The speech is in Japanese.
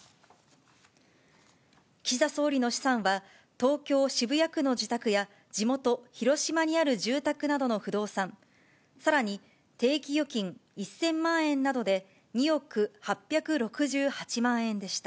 岸田総理の資産は、東京・渋谷区の自宅や、地元、広島にある住宅などの不動産、さらに定期預金１０００万円などで、２億８６８万円でした。